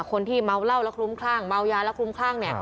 คนที่เมาส์เหล้าและคลุมคล่างเมาส์ยาและคลุมคล่าง